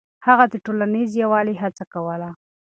هغه د ټولنيز يووالي هڅه کوله.